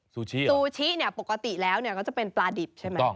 ซูชิซูชิเนี่ยปกติแล้วเนี่ยก็จะเป็นปลาดิบใช่ไหม